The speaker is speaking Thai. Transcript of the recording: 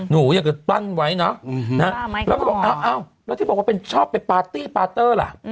หนูอย่างเกินตั้นไว้เนาะแล้วเขาบอกอ้าวแล้วที่บอกว่าชอบไปปาร์ตี้ปาร์เตอร์ล่ะ